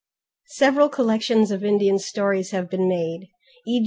Several collections of Indian stories have been made, _e.